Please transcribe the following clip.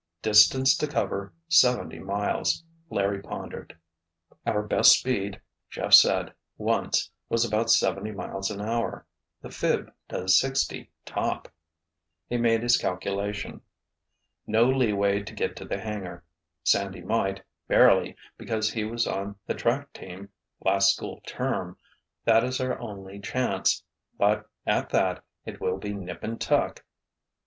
"Distance to cover, seventy miles," Larry pondered. "Our best speed, Jeff said, once, was about seventy miles an hour. The 'phib' does sixty, top." He made his calculation. "No leeway to get to the hangar—Sandy might, barely, because he was on the track team, last school term. That is our only chance. But, at that, it will be 'nip and tuck'!"